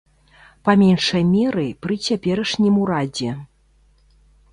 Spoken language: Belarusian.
Па меншай меры, пры цяперашнім урадзе.